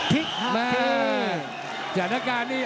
ทิกหักที